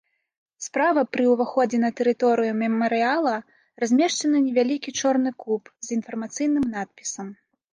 Справа пры ўваходзе на тэрыторыю мемарыяла размешчаны невялікі чорны куб з інфармацыйным надпісам.